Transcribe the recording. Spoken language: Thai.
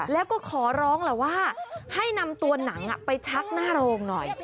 แล้วก็ขอร้องแหละว่าให้นำตัวหนังไปชักหน้าโรงหน่อย